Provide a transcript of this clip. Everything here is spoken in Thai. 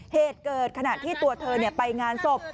เหตุเกิดขณะที่ตัวเธอไปงานศพ